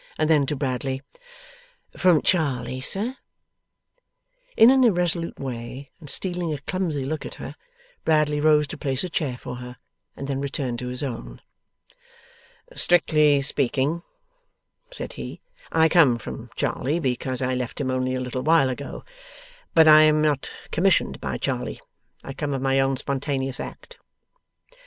And then to Bradley: 'From Charley, sir?' In an irresolute way, and stealing a clumsy look at her, Bradley rose to place a chair for her, and then returned to his own. 'Strictly speaking,' said he, 'I come from Charley, because I left him only a little while ago; but I am not commissioned by Charley. I come of my own spontaneous act.